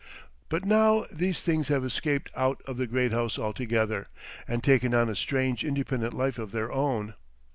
But now these things have escaped out of the Great House altogether, and taken on a strange independent life of their own.